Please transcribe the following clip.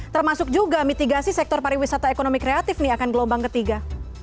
termasuk juga mitigasi sektor pariwisata ekonomi kreatif nih akan gelombang ketiga